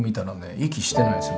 息してないんですよ